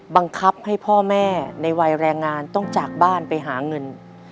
บังคับให้พ่อแม่ในวัยแรงงานต้องจากบ้านไปหาเงิน